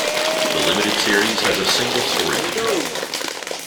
The limited series has a single story to tell.